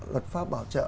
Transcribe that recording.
luật pháp bảo trợ